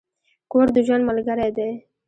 کور د ژوند ملګری دی.